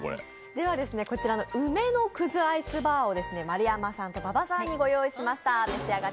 こちらの梅の葛アイスバーを丸山さんと馬場さんにご用意しました。